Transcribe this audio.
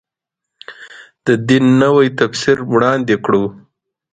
د دین نوی تفسیر وړاندې کړو.